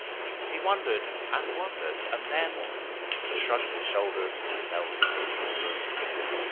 He wondered and wondered, and then, with a shrug of his shoulders, fell to pacing the room.